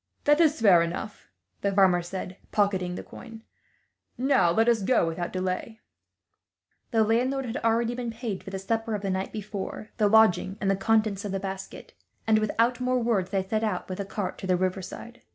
"That is fair enough," the farmer said, pocketing the coin. "Now, let us go without delay." The landlord had already been paid for the supper of the night before, the lodging, and the contents of the basket; and without more words, they set out with the cart to the riverside.